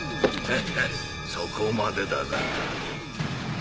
フフそこまでだな。